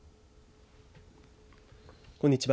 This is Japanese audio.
こんにちは。